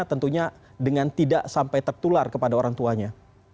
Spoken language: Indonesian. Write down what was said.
tentunya dengan tidak sampai tertular kepada orang tuanya